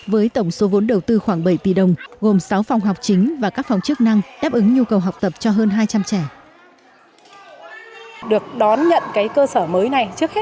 với tổng số vốn đầu tư khoảng bảy tỷ đồng gồm sáu phòng học chính và các phòng chức năng đáp ứng nhu cầu học tập cho hơn hai trăm linh trẻ